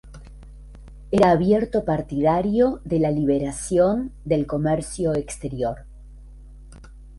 Era abierto partidario de la liberalización del comercio exterior.